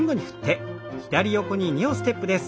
横に２歩ステップです。